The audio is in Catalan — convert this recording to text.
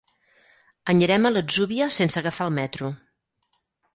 Anirem a l'Atzúbia sense agafar el metro.